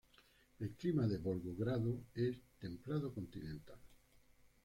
El clima de Volgogrado es templado continental.